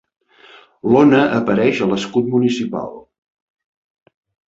L'ona apareix a l'escut municipal.